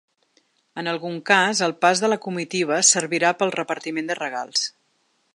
En algun cas el pas de la comitiva servirà pel repartiment de regals.